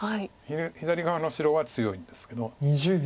左側の白は強いんですけど。